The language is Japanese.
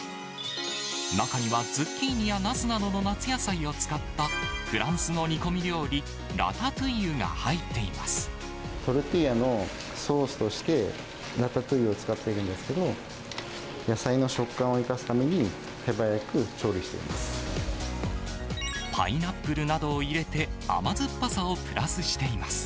中にはズッキーニやナスなどの夏野菜を使った、フランスの煮込み料理、トルティーヤのソースとしてラタトゥイユを使ってるんですけど、野菜の食感を生かすために、パイナップルなどを入れて、甘酸っぱさをプラスしています。